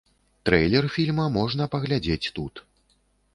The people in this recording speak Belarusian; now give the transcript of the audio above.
Трэйлер фільма можна паглядзець тут.